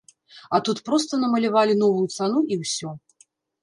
А тут проста намалявалі новую цану і ўсё.